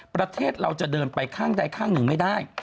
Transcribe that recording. ประเทศเราจะเดินไปข้างใดข้างหนึ่งไม่ได้